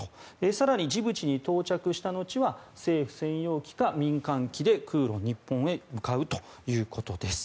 更に、ジブチに到着した後は政府専用機か民間機で、空路日本へ向かうということです。